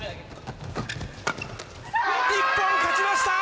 日本、勝ちました！